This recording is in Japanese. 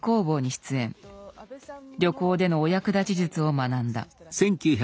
旅行でのお役立ち術を学んだ。